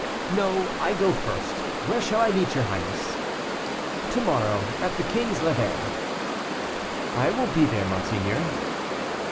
"No, I go first; where shall I meet your highness?" "To morrow; at the king's levee." "I will be there, monseigneur."